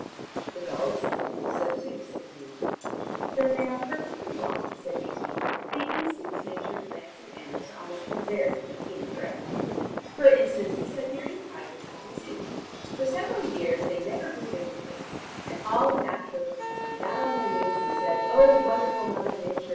"The gulls seem to think so, too," said Hugh. "Then they are perfectly wrong," said Nadine. "The instincts Nature implants in animals are almost invariably incorrect. For instance, the Siberian tigers at the Zoo. For several years they never grew winter coats, and all the naturalists went down on their knees and said: 'O wonderful Mother Nature!